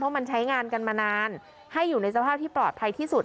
เพราะมันใช้งานกันมานานให้อยู่ในสภาพที่ปลอดภัยที่สุด